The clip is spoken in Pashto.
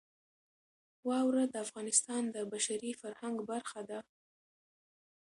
واوره د افغانستان د بشري فرهنګ برخه ده.